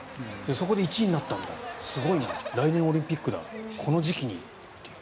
そこで１位になったんだすごいな、来年オリンピックだこの時期にという。